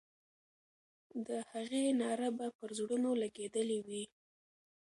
د هغې ناره به پر زړونو لګېدلې وي.